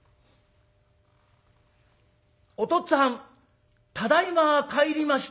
「おとっつぁんただいま帰りました」。